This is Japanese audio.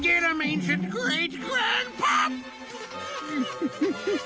ヌフフフフ